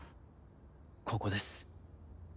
ここです。